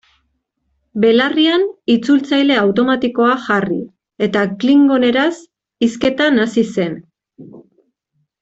Belarrian itzultzaile automatikoa jarri eta klingoneraz hizketan hasi zen.